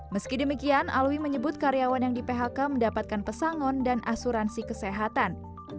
meski demikian alwi menyebut karyawan yang di phk mendapatkan pesangon dan asuransi kesehatan